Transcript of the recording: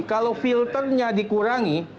kalau filternya dikurangi